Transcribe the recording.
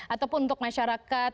ataupun untuk masyarakat